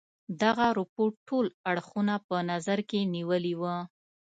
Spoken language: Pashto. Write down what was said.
دغه رپوټ ټول اړخونه په نظر کې نیولي وه.